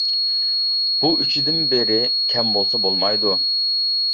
بۇ ئۈچىدىن بىرى كەم بولسا بولمايدۇ.